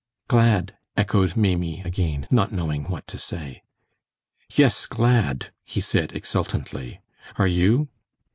"Glad?" echoed Maimie again, not knowing what to say. "Yes, glad," he said, exultantly. "Are you?"